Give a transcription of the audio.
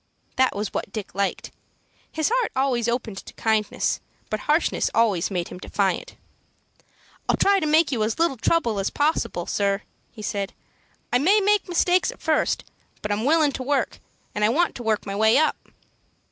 That was what Dick liked. His heart always opened to kindness, but harshness always made him defiant. "I'll try to make you as little trouble as possible, sir," he said. "I may make mistakes at first, but I'm willin' to work, and I want to work my way up."